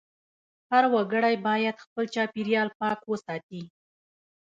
هر وګړی باید خپل چاپېریال پاک وساتي.